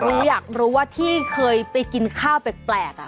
อยากรู้อยากรู้ว่าที่เคยไปกินข้าวแปลกน่ะ